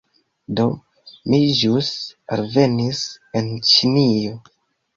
Do, mi ĵus alvenis en ĉinio